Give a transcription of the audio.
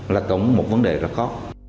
là tổng một vấn đề rất khó